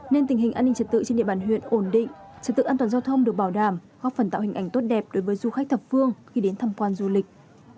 nên tình hình an ninh trật tự trên địa bàn huyện ổn định trật tự an toàn giao thông được bảo đảm góp phần tạo hình ảnh tốt đẹp đối với du khách thập phương khi đến thăm quan du lịch